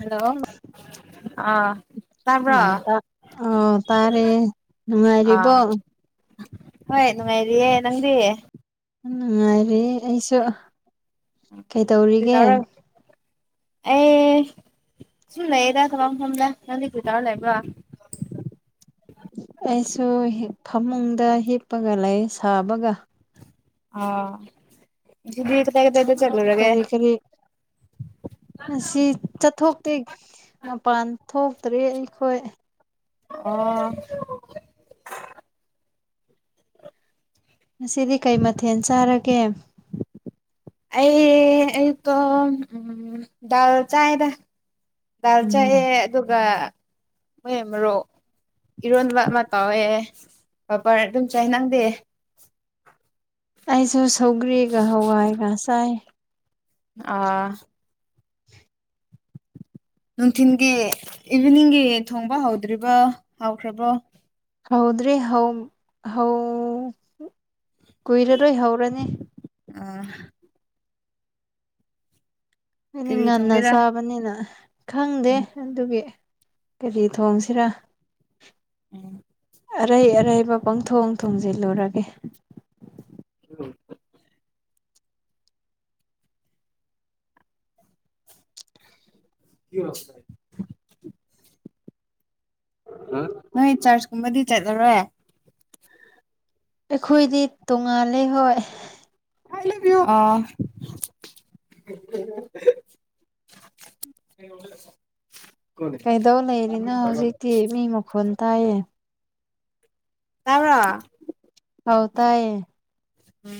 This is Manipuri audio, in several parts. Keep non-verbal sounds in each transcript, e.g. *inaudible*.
ꯍꯜꯂꯣ ꯑꯥ ꯇꯥꯕ꯭ꯔꯣ ꯎ ꯑꯣ ꯇꯥꯔꯦ ꯅꯨꯡꯉꯥꯏꯔꯤꯕ ꯑꯥ ꯍꯣꯏ ꯅꯨꯡꯉꯥꯏꯔꯤꯌꯦꯦ ꯅꯪꯗꯤ ꯀꯔꯤ ꯀꯩꯇꯧꯔꯤꯒꯦ ꯇꯧꯔ ꯑꯩ ꯁꯨꯝ ꯂꯩꯗ ꯊꯕꯛ ꯃꯐꯝꯗ ꯅꯪꯗꯤ ꯀꯩꯗꯧꯔꯒ ꯂꯩꯕꯔꯣ ꯁꯨ ꯐꯃꯨꯡꯗ ꯍꯤꯞꯄꯒ ꯂꯩ ꯁꯥꯕꯒ ꯑ ꯑꯗꯨ ꯀ ꯇꯒꯗꯗ ꯀꯔꯤ ꯀꯔꯤ ꯉꯁꯤ ꯆꯠꯊꯣꯛꯇꯦ ꯃꯄꯥꯟ ꯊꯣꯛꯇ꯭ꯔꯦ ꯑꯩꯈꯣꯏ ꯑ ꯉꯁꯤꯗꯤ ꯀꯩ ꯃꯊꯦꯜ ꯆꯥꯔꯒꯦ ꯑꯩ ꯏꯣ ꯎꯝ ꯗꯥꯜ ꯆꯥꯗ ꯗꯥꯜ ꯎꯝ ꯆꯥꯏꯌꯦ ꯑꯗꯨꯒ ꯃ ꯃꯔꯣꯛ ꯏꯔꯣꯟꯕ ꯑꯃ ꯇꯥꯎꯋꯦ ꯕꯔ ꯑꯗꯨꯝ ꯆꯥꯏ ꯅꯪꯗꯦ *unintelligible* ꯑꯩꯁꯨ ꯁꯧꯒꯔꯤꯒ ꯍꯋꯥꯏꯒ ꯆꯥꯏ ꯑꯥ ꯅꯨꯡꯊꯤꯤꯟꯒꯤ ꯏꯚꯤꯅꯤꯡꯒꯤ ꯊꯣꯡꯕ ꯍꯧꯗ꯭ꯔꯤꯕ ꯍꯧꯈ꯭ꯔꯕꯣ ꯍꯥꯎꯗ꯭ꯔꯔꯤ ꯍ ꯍ ꯀꯨꯏꯔꯔꯣꯏ ꯍꯧꯔꯅꯦ ꯑ ꯍꯥꯏꯗꯤ ꯀꯔꯤ ꯉꯟꯅ ꯊꯣꯡꯒꯦꯔꯥ ꯆꯥꯕꯅꯤꯅ ꯈꯪꯗꯦ ꯎꯝ ꯑꯗꯨꯒꯤ ꯀꯔꯤ ꯊꯣꯡꯁꯤꯔꯥ ꯎꯝ ꯑꯔꯩ ꯑꯔꯩꯕ ꯄꯪꯊꯣꯡ ꯊꯣꯡꯖꯤꯜꯂꯨꯔꯒꯦ ꯎꯝ ꯀ ꯔꯁ ꯍꯥꯏ ꯅꯣꯏ ꯆꯥꯔꯖ ꯀꯨꯝꯕꯗꯤ ꯆꯠꯂꯔꯣꯏ ꯑꯩꯈꯣꯏꯗꯤ ꯇꯣꯉꯥꯜꯂꯦ ꯍꯣꯏ ꯌ ꯑ *unintelligible* ꯀꯩꯗꯧ ꯂꯩꯔꯤꯅ ꯍꯧꯖꯤꯛꯇꯤ ꯃꯤ ꯃꯈꯣꯟꯜ ꯇꯥꯏꯌꯦ ꯇ꯭ꯔ ꯍꯧ ꯇꯑꯌꯦ ꯎꯝ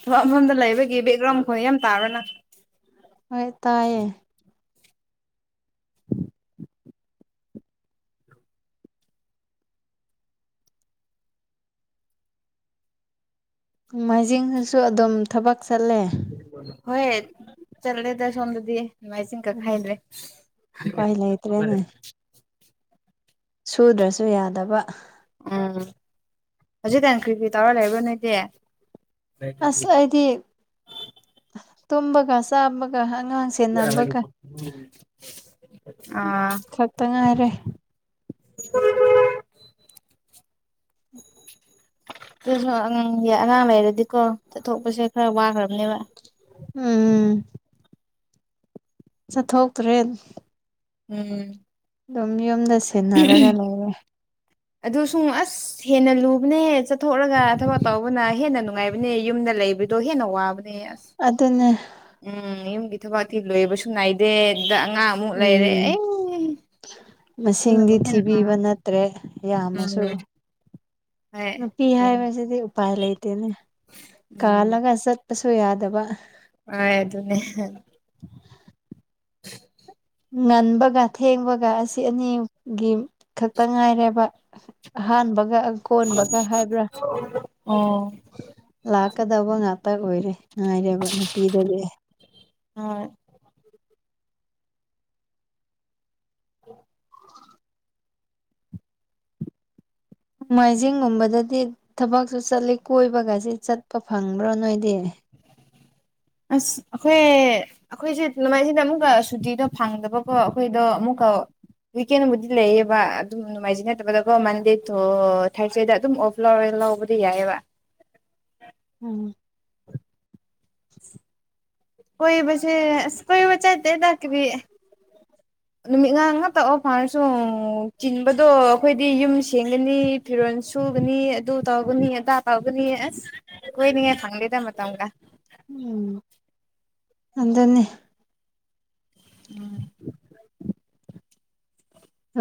ꯊꯛ ꯃꯐꯝꯗ ꯂꯩꯕꯒꯤ ꯕꯦꯛꯒ꯭ꯔꯥꯎꯟ ꯈꯣꯡ ꯌꯥꯝ ꯇꯥꯕꯅ ꯍꯣꯏ ꯇꯥꯏꯌꯦ ꯃꯥꯏꯖꯤꯡꯁꯤꯁꯨ ꯑꯗꯨꯝ ꯊꯕꯛ ꯆꯠꯂꯦ ꯍꯣꯏ ꯆꯠꯔꯦꯗ ꯁꯣꯟꯗꯗꯤ ꯃꯥꯏ ꯆꯤꯡ ꯀ ꯈꯥꯏꯗ꯭ꯔꯦ ꯎꯄꯥꯏ ꯂꯩꯇ꯭ꯔꯦꯅꯦ ꯁꯨꯗ꯭ꯔꯁꯨ ꯌꯥꯗꯕ ꯎꯝ ꯍꯧꯖꯤꯛ ꯇꯟ ꯀ꯭ꯔꯤ ꯀ ꯇꯧꯔ ꯂꯩꯔ ꯅꯣꯏꯗꯤ ꯑꯁ ꯑꯩꯗꯤ ꯇꯨꯝꯕꯒ ꯆꯥꯃꯒ ꯑꯥ ꯈꯛꯇ ꯉꯥꯏꯔꯦ ꯎꯝ ꯑꯗꯨꯁꯨꯉꯥꯡ ꯑꯉꯥꯡ ꯂꯩꯔꯗꯤꯀꯣ ꯆꯠꯊꯣꯛꯄꯁꯦ ꯈꯔ ꯋꯥꯈ꯭ꯔꯕꯅꯦꯕ ꯎꯝ ꯆꯠꯊꯣꯛꯇ꯭ꯔꯦ ꯎꯝ ꯑꯗꯨꯝ ꯌꯨꯝꯗ ꯁꯦꯟꯅꯔꯒ ꯂꯩꯔꯦ ꯑꯗꯨ ꯁꯨꯡ ꯑꯁ ꯍꯦꯟꯅ ꯂꯨꯕꯅꯦ ꯆꯠꯊꯣꯛꯔꯒ ꯊꯕꯛ ꯇꯧꯕꯅ ꯍꯦꯟꯅ ꯅꯨꯡꯉꯥꯏꯕꯅꯦ ꯌꯨꯝꯗ ꯂꯩꯕꯗꯣ ꯍꯦꯟꯅ ꯋꯥꯕ ꯑꯗꯨꯗꯅꯦ ꯎꯝ ꯌꯨꯝꯒꯤ ꯊꯕꯇꯤ ꯂꯣꯏꯕꯁꯨ ꯅꯥꯏꯗꯦꯗ ꯑꯉꯥꯡꯃꯨꯛ ꯂꯩꯔꯦ ꯎꯝ ꯑꯦ ꯃꯁꯤꯡꯗꯤ ꯑꯗꯨꯅꯕꯨ ꯍꯦꯟꯅ ꯑꯥ ꯊꯤꯕꯤꯕ ꯅꯠꯇ꯭ꯔꯦ ꯌꯥꯝꯃꯁꯨ ꯎꯝ ꯍꯣꯏ ꯅꯨꯄꯤ ꯑꯗꯨꯅꯤ ꯍꯥꯏꯕꯁꯤꯗꯤ ꯎꯄꯥꯏ ꯂꯩꯇꯦꯅꯦ ꯀꯥꯜꯂꯒ ꯆꯠ ꯑꯨ ꯌꯥꯗꯕ ꯑ ꯑꯗꯨꯅꯦ ꯉꯟꯕꯒ ꯊꯦꯡꯕꯒ ꯑꯁꯤ ꯑꯅꯤꯒꯤ ꯈꯛꯇ ꯉꯥꯏꯔꯦꯕ ꯑꯍꯥꯟꯕ ꯀꯣꯟꯕꯒ ꯍꯥꯏꯕ꯭ꯔꯥ ꯑꯣ ꯂꯥꯛꯀꯗꯕ ꯉ ꯇ ꯑꯣꯏꯔꯦ ꯉꯥꯏꯔꯦꯕ ꯅꯨꯄꯤꯗꯨꯗꯤ ꯍꯣꯏ ꯃꯥꯏꯖꯤꯡꯒꯨꯝꯕꯗꯗꯤ ꯊꯕꯛꯁꯨ ꯆꯠꯂꯤ ꯀꯣꯏꯕꯒꯁꯤꯦ ꯆꯠꯄ ꯐꯪꯕ꯭ꯔꯣ ꯅꯣꯏꯗꯤ *unintelligible* ꯑꯁ ꯑꯩꯈꯣꯏ ꯑꯩꯈꯣꯏꯁꯦ ꯅꯃꯥꯏꯁꯤꯗ ꯑꯃꯨꯛꯀ ꯁꯨꯇꯤꯗꯣ ꯐꯪꯗꯕꯀꯣ ꯑꯩꯈꯣꯏꯗꯣ ꯑꯃꯨꯛꯀ ꯋꯤꯛꯀꯦꯟꯕꯨꯗꯤ ꯂꯩꯌꯦꯕ ꯑꯗꯨꯝ ꯅꯨꯡꯉꯥꯏꯖꯩ ꯅꯠꯇꯕꯗꯀꯣ ꯃꯟꯗꯦꯗꯣ ꯊꯥꯔꯁꯗꯦꯗ ꯑꯗꯨꯝ ꯑꯣꯐ ꯂꯧꯔꯦ ꯂꯕꯗꯤ ꯌꯥꯑꯦꯕ ꯎꯝ ꯀꯣꯏ ꯁꯦ ꯀꯣꯏ ꯆꯥꯏ ꯏꯗ ꯊ ꯀꯕꯤ ꯅꯨꯃꯤꯠ ꯉꯥꯡꯉ ꯉ ꯇ ꯑꯣꯐ ꯐꯔꯁꯨ ꯆꯤꯟꯕꯗꯣ ꯑꯩꯈꯣꯏꯗꯤ ꯌꯨꯝ ꯁ ꯁꯦꯝꯒꯅꯤ ꯐꯤꯔꯣꯜ ꯁꯨꯒꯅꯤ ꯑꯗꯨ ꯇ ꯄꯕꯅꯤꯗꯥ ꯄꯥꯥꯎꯕꯅꯤ ꯀꯣꯏꯅꯤ ꯐꯪꯂꯤꯗ ꯃ ꯆꯣꯡ ꯑꯗꯅꯤꯦ ꯎꯝ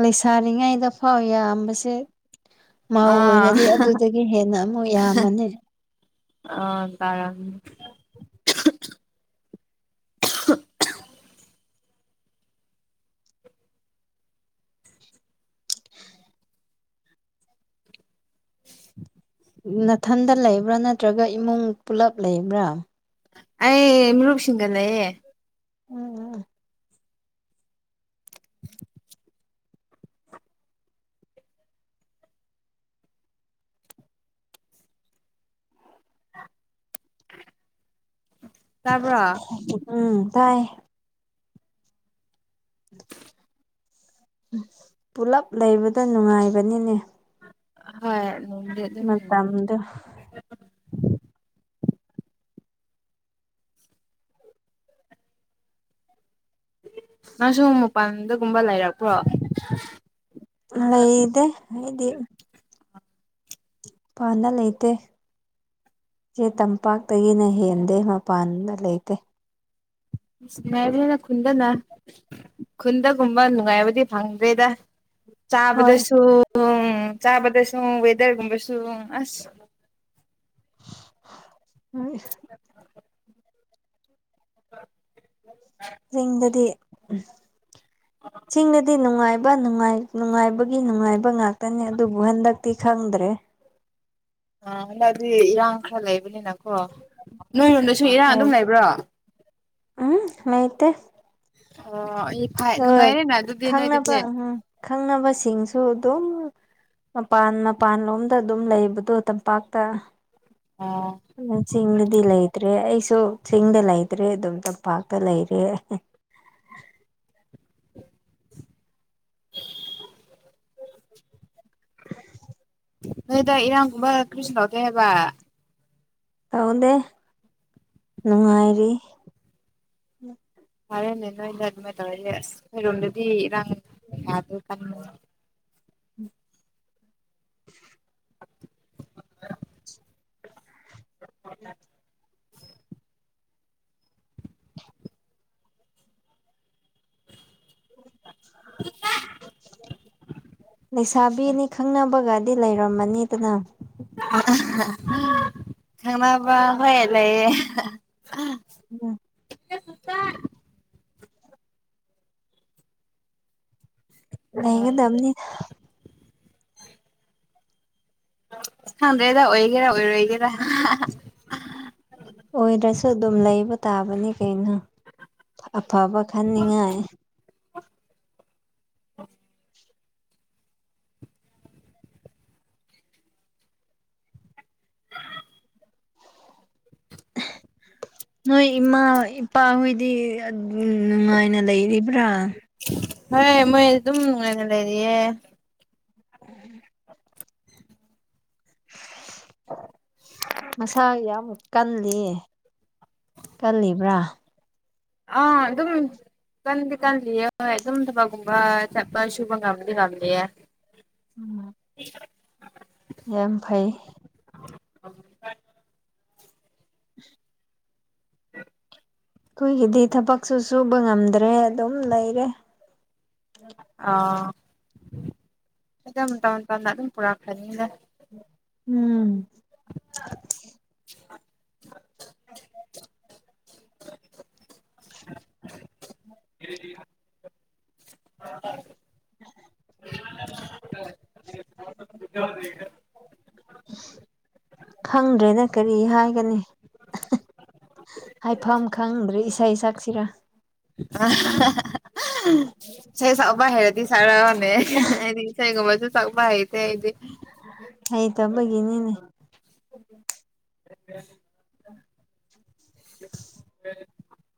ꯂꯩꯁꯥꯔꯤꯉꯩꯗ ꯐꯥꯎ ꯌꯥꯝꯕꯁꯦ ꯃꯥꯎ ꯑꯥ ꯑꯣꯏꯔꯗꯤ ꯑꯗꯨꯗꯒꯤ ꯍꯦꯟꯅ ꯑꯃꯨꯛ ꯌꯥꯝꯃꯅꯤ ꯑ ꯇꯔꯝ *unintelligible* ꯅꯥꯊꯟꯗ ꯂꯩꯕ꯭ꯔꯥ ꯅꯠꯇ꯭ꯔꯒ ꯏꯃꯨꯡ ꯄꯨꯂꯞ ꯂꯩꯕ꯭ꯔꯥ ꯑꯩ ꯃꯔꯨꯁꯤꯡꯒꯗꯌꯦ ꯎꯝ ꯎꯝ ꯇꯥꯕ꯭ꯔꯣ ꯎꯝ ꯇꯥꯏ ꯄꯨꯂꯞ ꯂꯩꯕꯗ ꯅꯨꯡꯉꯥꯏꯕꯅꯤꯅꯦ ꯍꯣꯏ ꯅꯨꯡꯗꯤ ꯑꯗꯨꯝ ꯃꯗ ꯅꯨꯡꯉꯥꯏ ꯅ ꯁꯣꯃ ꯄꯗ ꯨꯝꯕ ꯂꯩꯔꯄ꯭ꯔꯣ ꯂꯩꯗꯦ ꯄꯥꯅ ꯂꯩꯇꯦ ꯆꯦ ꯇꯝꯄꯥꯛꯇꯒꯤꯅ ꯍꯦꯟꯗꯦ ꯃꯄꯥꯟꯗ ꯂꯩꯇꯦ ꯃꯅ ꯈꯨꯟꯗꯅ ꯈꯨꯟꯗꯒꯨꯝꯕ ꯅꯨꯡꯉꯥꯏꯕꯗꯤ ꯐꯪꯗ꯭ꯔꯦꯗ ꯍꯣꯏ ꯆꯥꯕꯗꯁꯨ ꯎ ꯆꯥꯕꯗꯁꯨ ꯦꯗꯔꯒꯨꯝꯕꯁꯨ ꯑꯁ ꯍꯣꯏ ꯑ ꯆꯤꯡꯗꯗꯤ ꯆꯤꯡꯗꯗꯤ ꯅꯨꯡꯉꯥꯏꯕ ꯅꯨꯡꯉꯥꯏ ꯅꯨꯡꯉꯥꯏꯕꯒꯤ ꯅꯨꯡꯉꯥꯏꯕ ꯉꯥꯛꯇꯅꯤ ꯑꯗꯨꯕꯨ ꯍꯟꯗꯛꯇꯤ ꯈꯪꯗ꯭ꯔꯦ ꯑꯥ ꯍꯟꯗꯛꯗꯤ ꯏꯔꯥꯡ ꯈꯔ ꯂꯩꯕꯅꯤꯅꯀꯣ ꯅꯣꯏꯔꯣꯝꯗꯁꯨ ꯏꯔꯥꯡ ꯑꯗꯨꯝ ꯂꯩꯕ꯭ꯔꯣ ꯎꯝ ꯂꯩꯇꯦ ꯑꯣ ꯑꯩ ꯐꯥꯏ ꯍꯣꯏ ꯅꯨꯡꯉꯥꯏꯔꯦꯅ ꯑꯗꯨꯗꯤ ꯈꯪꯅꯕ ꯅꯣꯏꯗꯗꯤ ꯎꯝ ꯈꯪꯅꯕꯁꯤꯡꯁꯨ ꯑꯗꯨꯝ ꯃꯄꯥꯟ ꯃꯄꯥꯟꯂꯣꯝꯗ ꯑꯗꯨꯝ ꯂꯩꯕꯗꯣ ꯇꯝꯄꯥꯛꯇ ꯑꯣ ꯆꯤꯡꯗꯗꯤꯂ ꯂꯩꯗ꯭ꯔꯦ ꯑꯩ ꯆꯤꯡꯗ ꯂꯩꯇ꯭ꯔꯦ ꯑꯗꯨꯝ ꯇꯝꯄꯥꯛꯇ ꯂꯩꯔꯦ *inaudible* ꯅꯣꯏꯗ ꯏꯔꯥꯡꯒꯨꯝꯕ ꯀ꯭ꯔꯤꯁꯨ ꯇꯧꯗꯦꯕ ꯇꯧꯗꯦ ꯅꯨꯡꯉꯥꯏꯔꯤ ꯐꯔꯦꯅꯦ ꯅꯣꯏꯗ ꯑꯗꯨꯃꯥꯏꯅ ꯇꯧꯔꯁꯦ ꯑꯁ ꯑꯩꯣꯏꯔꯣꯝꯗꯗꯤ ꯏꯔꯥꯡꯗ ꯀ ꯎꯝ ꯑ *unintelligible* ꯂꯩꯁꯥꯕꯤꯅꯤ ꯈꯪꯅꯕꯒꯅꯤ ꯗꯤ ꯂꯩꯔꯝꯃꯅꯤꯗꯅ ꯈꯪꯅꯕ ꯍꯣꯏ ꯂꯩꯌꯦ ꯎꯝ ꯆꯔ ꯂꯩꯒꯗꯝꯅꯤ ꯈꯪꯗ꯭ꯔꯦꯗ ꯑꯣꯏꯒꯦꯔ ꯑꯣꯏꯔꫭꯏꯒꯦꯔꯥ ꯑꯣꯏꯔꯁꯨ ꯑꯗꯨꯝ ꯂꯩꯕ ꯇꯥꯕꯅꯤ ꯀꯩꯅꯣ ꯑꯐꯕ ꯈꯟꯅꯤꯡꯉꯥꯏ *inaudible* *inaudible* ꯅꯣꯏ ꯏꯃꯥ ꯏꯄꯥꯍꯣꯏꯗꯤ ꯑꯗꯨꯝ ꯅꯨꯡꯉꯥꯏꯅ ꯂꯩꯔꯤꯕ꯭ꯔꯥ ꯍꯣꯏ ꯃꯣꯏ ꯑꯗꯨꯝ ꯑꯣꯏꯅ ꯂꯩꯔꯤꯌꯦ ꯎꯝ ꯃꯁꯥ ꯌꯥꯎꯕ ꯀꯜꯂꯤ ꯀꯜꯂꯤꯕ꯭ꯔꯥ ꯑ ꯑꯗꯨꯝ ꯀꯟꯗꯤ ꯀꯜꯂꯤꯌꯦ ꯍꯣꯏ ꯑꯗꯨꯝ ꯊꯕꯛꯀꯨꯝꯕ ꯆꯠꯄ ꯁꯨꯕ ꯉꯝꯗꯤ ꯉꯝꯂꯤꯌꯦ *inaudible* *unintelligible* ꯌꯥꯝ ꯐꯩ ꯑ *unintelligible* *unintelligible* ꯑꯈꯣꯏꯒꯤꯗꯤ ꯊꯕꯛꯁꯨ ꯁꯨꯕ ꯉꯝꯗ꯭ꯔꯦ ꯑꯗꯨꯝ ꯂꯩꯔꯦ ꯑ ꯃꯤꯇꯝ ꯃꯤꯇꫭꯟ ꯇꯝꯅ ꯑꯗꯨꯝ ꯄꯨꯔꯛꯀꯅꯤꯗ ꯎꯝ *unintelligible* *unintelligible* *unintelligible* *unintelligible* *unintelligible* *unintelligible* ꯈꯪꯗ꯭ꯔꯦꯗ ꯀꯔꯤ ꯍꯥꯏꯒꯅꯤ ꯍꯥꯏꯐꯝ ꯈꯪꯗ꯭ꯔꯦ ꯏꯁꯩ ꯁꯛꯁꯤꯔꯥ ꯑꯍꯥ ꯍꯥ ꯑꯍꯥ ꯑꯍꯥ ꯏꯁꯩ ꯁꯛꯄ ꯍꯩꯔꯗꯤ ꯁꯛꯔꫭꯅꯦ ꯑꯩꯗꯤ ꯏꯁꯩꯒꯨꯝꯕꯁꯨ ꯁꯛꯄ ꯍꯩꯇꯦ ꯑꯩꯗꯤ ꯍꯩꯇꯕꯒꯤꯅꯤꯅꯦ *unintelligible* *unintelligible*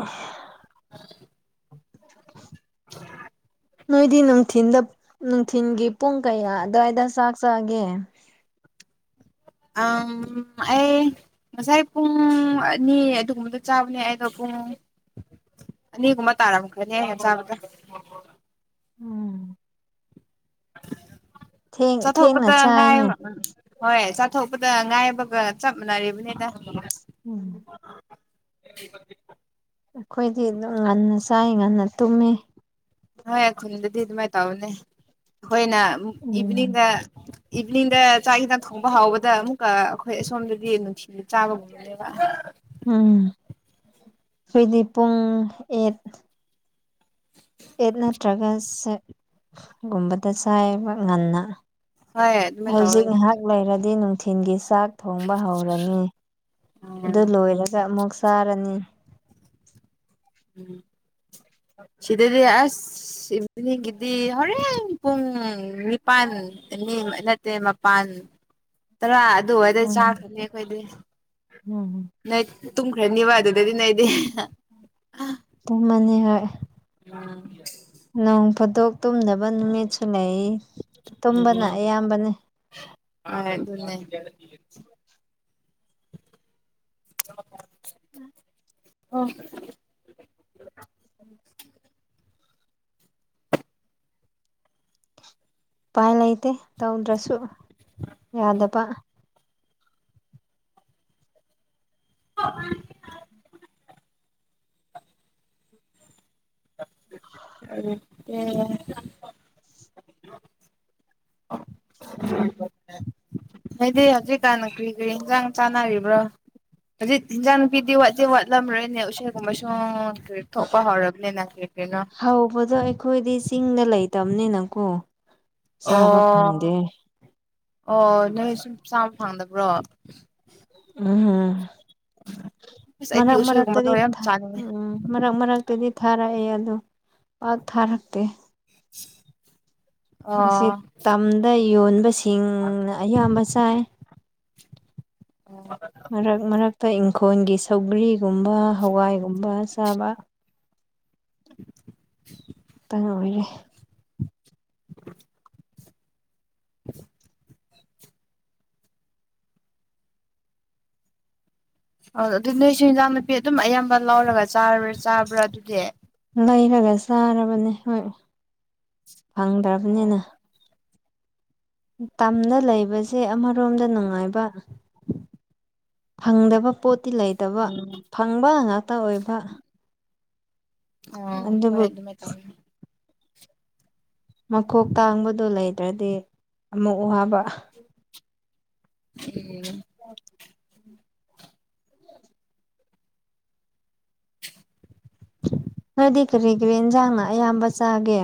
ꯑ *unintelligible* ꯅꯣꯏꯗꯤ ꯅꯨꯡꯊꯤꯟꯗ ꯅꯨꯡꯊꯤꯟꯒꯤ ꯄꯨꯡ ꯀꯌꯥ ꯑ꯭ꯗꯥꯏꯗ ꯆꯥꯛ ꯆꯥꯒꯦ *unintelligible* ꯑꯪ ꯑꯩ ꯉꯁꯥꯏ ꯄꯨꯡ ꯑꯅꯤ ꯑꯗꯨꯒꯨꯝꯕꯗ ꯆꯥꯕꯅꯦ ꯑꯗꯣ ꯄꯨꯡ *unintelligible* *inaudible* ꯑꯅꯤꯒꯨꯝꯕ ꯇꯥꯔꯝꯒꯅꯤ ꯑꯩꯅ ꯆꯥꯕꯗ ꯎꯝ ꯊꯦꯡ ꯊꯦꯡꯅ ꯆꯠꯊꯣꯛꯄꯗꯥ ꯆꯥꯏꯅꯦ ꯍꯣꯏ ꯑꯗ ꯉꯥꯏꯕꯒ ꯆꯞ ꯃꯥꯟꯅꯔꯤꯕꯅꯤꯗ ꯎꯝ *unintelligible* ꯑꯩꯈꯣꯏꯗꯤ ꯑꯗꯨꯝ ꯉꯟꯅ ꯆꯥꯏ ꯉꯟꯅ ꯇꯨꯝꯃꯤ ꯍꯣꯏ ꯈꯨꯟꯗꯗꯤ ꯑꯗꯨꯃꯥꯏ ꯇꯧꯕꯅꯦ ꯑꯩꯈꯣꯏꯅ ꯎꯝ ꯏꯕꯤꯅꯤꯡꯒ ꯕꯤꯅꯤꯡꯗ ꯆꯥꯛ ꯏꯟꯖꯥꯡ ꯊꯣꯡꯕ ꯍꯥꯎꯕꯗ ꯑꯃꯨꯛꯀ ꯑꯩꯈꯣꯏ ꯑꯁꯣꯝꯗꯗꯤ ꯅꯨꯡꯊꯤ ꯆꯥꯕ ꯒꯨꯝꯕꯅꯦꯕ ꯑꯩꯈꫭꯏꯗꯤ ꯄꯨꯡ ꯑꯦꯠ ꯑꯦꯠ ꯅꯠꯇ꯭ꯔꯒ ꯁꯦꯛ ꯒꯨꯝꯕꯗ ꯆꯥꯏꯌꯦꯕ ꯉꯟꯅ ꯍꯣꯏ ꯑꯗꯨꯃꯥꯏꯅ ꯇꯧꯋꯦ ꯍꯧꯖꯤꯛ ꯉꯥꯏꯍꯥꯛ ꯂꯩꯔꯗꯤ ꯅꯨꯡ ꯊꯤꯟꯒꯤ ꯆꯥꯛ ꯊꯣꯡꯕ ꯍꯧꯔꯅꯤ ꯎꯝ ꯑꯗꯨ ꯂꯣꯏꯔꯒ ꯑꯃꯨꯛ ꯆꯥꯔꯅꯤ ꯎꯝ ꯁꯤꯗꯗꯤ ꯑꯁ ꯏꯕꯤꯅꯤꯡꯒꯤꯗꯤ ꯍꯣꯔꯦꯟ ꯄꯨꯡ ꯅꯤꯄꯥꯟ ꯑꯅꯤ ꯑꯅꯤꯡꯕ ꯅꯠꯇꯦ ꯃꯄꯥꯟ ꯇꯔꯥ ꯑ ꯑꯗꯨ ꯑꯣꯏꯗꯤ ꯎꯝ ꯆꯥꯛꯈꯔꯅꯤ ꯑꯩꯈꯣꯏꯗꯤ ꯎꯝ ꯅꯦꯛ ꯇꯨꯝ ꯈꯔꯅꯦꯕ ꯑꯗꯨꯗꯒꯤꯅꯦ ꯑꯩꯗꯤ ꯇꯨꯝꯃꯅꯤ ꯍꯣꯏ ꯎꯝ ꯅꫭꯡ ꯐꯥꯗꯣꯛ ꯇꯨꯝꯗꯅꯕ ꯅꯨꯃꯤꯠꯁꯨ ꯂꯩ ꯇꯨꯝꯕꯅ ꯑꯌꯥꯝꯕꯅꯦ ꯑ ꯑꯣ ꯎꯝ ꯎꯄꯥꯏ ꯂꯩꯇꯦ ꯇꯧꯗ꯭ꯔꯁꯨ ꯌꯥꯗꯕ *unintelligible* ꯑꯣ ꯍꯥꯏꯗꯤ ꯍꯧꯖꯤꯛꯀꯥꯟꯅ ꯀꯔꯤ ꯀꯔꯤ ꯌꯦꯟꯁꯥꯡ ꯆꯥꯟꯅꯔꯤꯕ꯭ꯔꯣ ꯍꯧꯖꯤꯛ ꯏꯟꯖꯥꯡꯅꯨꯄꯤꯗꯤ ꯋꯥꯠꯆ ꯋꯥꯠꯂꯝꯔꯣꯏꯅꯦ ꯎꯁꫭꯏ ꯒꯨꯝꯕ ꯁꯨꯝ ꯍꯧꯕꯗꯣ ꯑꯩꯈꯣꯏꯗꯤ ꯆꯤꯡꯗ ꯂꯩꯇꯕꯅꯤꯅꯀꯣ ꯆꯥꯕ ꯑꯣ ꯐꯪꯗꯦ ꯑꯣ ꯅꯣꯏ ꯁꯨꯝ ꯆꯥꯕ ꯐꯪꯗꯕ꯭ꯔꯣ ꯎꯝ ꯑꯁ ꯑꯩꯗꯤ ꯃꯔꯛ ꯃꯔꯛ ꯇꯗꯤ ꯎꯁꯣꯏꯒꯨꯝꯕꯗꯣ ꯌꯥꯝ ꯏꯊ ꯆꯥꯅꯤꯡꯉꯦ ꯎꯝ ꯃꯔꯛ ꯃꯔꯛ ꯇꯗꯤ ꯊꯥꯔꯛꯑꯦ ꯑꯗꯣ ꯄꯥꯛ ꯊꯥꯔꯛꯇꯦ ꯑꯣ ꯆꯤꯡꯅ ꯑꯌꯥꯝꯕ ꯆꯥꯏ ꯃꯔꯛ ꯃꯔꯛꯇ ꯈꯣꯟꯒꯤ ꯁꯧꯒ꯭ꯔꯤꯒꯨꯝꯕ ꯍꯋꯥꯏꯒꯨꯝꯕ ꯆꯥꯕ *inaudible* ꯇꯉꯕꯤꯔꯦ *inaudible* *inaudible* ꯑ ꯑꯗꯨ ꯅꯣꯏꯁꯨ ꯏꯟꯖꯥꯡ ꯅꯨꯄꯤ ꯑꯗꯨꯝ ꯑꯌꯥꯝꯕ ꯂꯧꯔꯒ ꯆꯥꯕ꯭ꯔꯥ ꯆꯥꯕ꯭ꯔꯥ ꯑꯗꯨꯗꯤ ꯆꯥꯔꯕꯅꯦ ꯍꯣꯏ ꯐꯪꯗ꯭ꯔꯕꯅꯤꯅ ꯑꯣ ꯇꯝꯗꯥ ꯂꯩꯕꯁꯦ ꯑꯃꯔꯣꯝꯗ ꯅꯨꯡꯉꯥꯏꯕ ꯐꯪꯗꯕ ꯄꯣꯠꯇꯤ ꯂꯩꯇꯕ ꯎꯝ ꯐꯪꯕ ꯉꯥꯛꯇ ꯑꯣꯏꯕ ꯑꫭ ꯍꯣꯏ ꯑꯗꯨꯕꯨ ꯑꯗꯨꯃꯥꯏ ꯇꯧꯋꯤ ꯃꯈꯣꯛ ꯇꯥꯡꯕꯗꯨ ꯂꯩꯗ꯭ꯔꯗꯤ ꯑꯃꯨꯛ ꯋꯥꯕ ꯎꯝ ꯑ ꯅꯗꯤ ꯀꯔꯤ ꯀꯔꯤ ꯏꯟꯁꯥꯡꯅ ꯑꯌꯥꯝꯕ ꯆꯥꯒꯦ